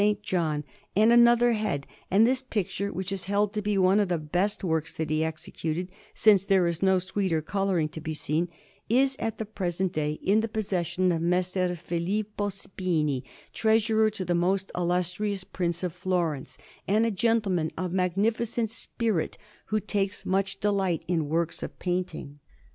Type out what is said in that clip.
John, and another head; and this picture, which is held to be one of the best works that he executed, since there is no sweeter colouring to be seen, is at the present day in the possession of Messer Filippo Spini, Treasurer to the most Illustrious Prince of Florence, and a gentleman of magnificent spirit, who takes much delight in works of painting.